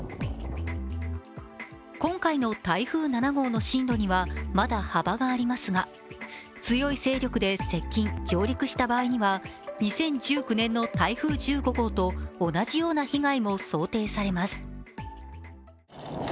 今回の台風７号の進路にはまだ幅がありますが、強い勢力で接近・上陸した場合には２０１９年の台風１５号と同じような被害も想定されます。